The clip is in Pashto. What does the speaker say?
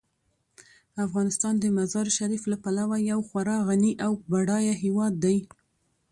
افغانستان د مزارشریف له پلوه یو خورا غني او بډایه هیواد دی.